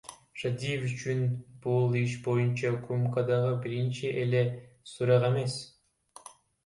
Шадиев үчүн бул иш боюнча УКМКдагы биринчи эле сурак эмес.